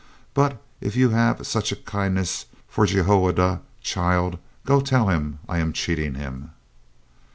"But if you have such a kindness for Jehoiada, child, go tell him I am cheating him."